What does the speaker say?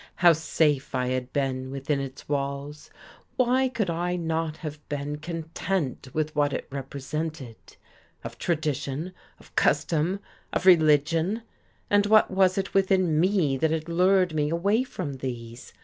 How safe I had been within its walls! Why could I not have been, content with what it represented? of tradition, of custom, of religion? And what was it within me that had lured me away from these?